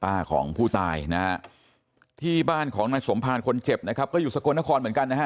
ของผู้ตายนะฮะที่บ้านของนายสมภารคนเจ็บนะครับก็อยู่สกลนครเหมือนกันนะฮะ